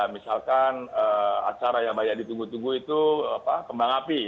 misalkan acara yang banyak ditunggu tunggu itu kembang api